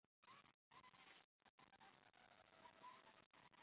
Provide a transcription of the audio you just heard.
满洲里西郊机场是一个位于中国内蒙古自治区满洲里市西郊的民航机场。